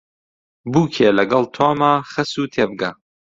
بووکێ لەگەڵ تۆمە خەسوو تێبگە